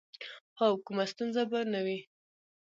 هو، کومه ستونزه به نه وي.